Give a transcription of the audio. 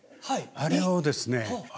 あれをですね。